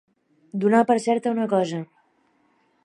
Donar per certa una cosa.